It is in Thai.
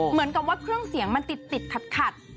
เหมือนกับว่าเครื่องเสียงมันติดขัด